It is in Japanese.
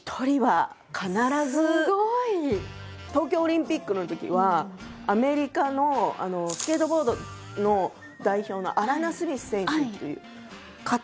すごい！東京オリンピックのときはアメリカのスケートボードの代表のアラナ・スミス選手っていう方がそっくりで。